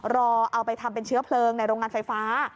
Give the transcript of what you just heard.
เอาไปทำเป็นเชื้อเพลิงในโรงงานไฟฟ้า